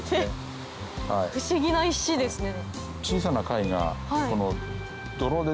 不思議な石ですね。